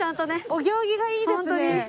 お行儀がいいですね。